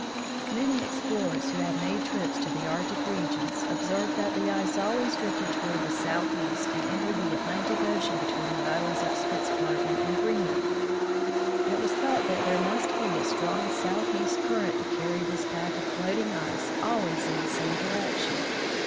Many explorers who had made trips to the Arctic regions observed that the ice always drifted toward the southeast, and entered the Atlantic ocean between the islands of Spitzbergen and Greenland. It was thought that there must be a strong southeast current to carry this pack of floating ice always in the same direction.